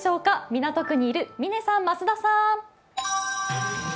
港区にいる嶺さん、増田さん。